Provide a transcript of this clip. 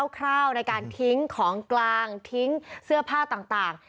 คร่าวในการทิ้งของกลางทิ้งเสื้อผ้าต่าง